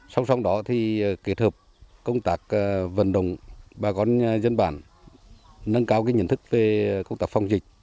sau đó kết hợp công tác vận động bà con dân bản nâng cao nhận thức về công tác phòng dịch